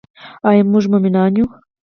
آیا موږ مومنان یو؟